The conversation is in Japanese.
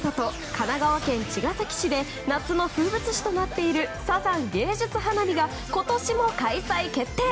神奈川県茅ヶ崎市で夏の風物詩となっているサザン芸術花火が今年も開催決定！